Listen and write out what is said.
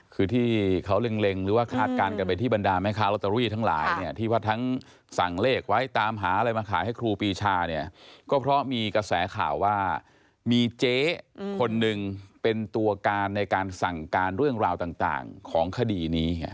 คือที่เขาเล็งหรือว่าคาดการณ์กันไปที่บรรดาแม่ค้าลอตเตอรี่ทั้งหลายเนี่ยที่ว่าทั้งสั่งเลขไว้ตามหาอะไรมาขายให้ครูปีชาเนี่ยก็เพราะมีกระแสข่าวว่ามีเจ๊คนหนึ่งเป็นตัวการในการสั่งการเรื่องราวต่างของคดีนี้